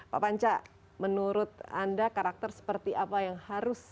pak panca menurut anda karakter seperti apa yang harus